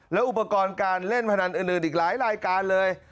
และอุปกรณ์การเล่นพนันอื่นอีกหลายรายการเลย